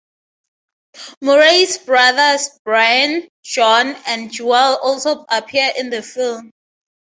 Murray's brothers Brian, John, and Joel also appear in the film.